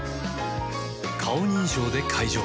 顔認証で解錠